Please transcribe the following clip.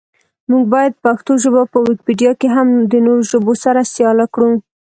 مونږ باید پښتو ژبه په ویکیپېډیا کې هم د نورو ژبو سره سیاله کړو.